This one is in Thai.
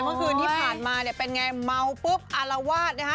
เมื่อคืนที่ผ่านมาเนี่ยเป็นไงเมาปุ๊บอารวาสนะฮะ